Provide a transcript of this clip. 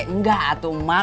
enggak tuh emak